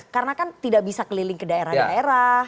karena kan tidak bisa keliling ke daerah daerah